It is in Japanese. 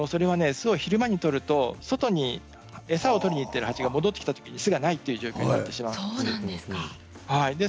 巣を昼間に取ると外に餌を取りに行っているハチが戻ってきたときに巣がないという状況になるんです。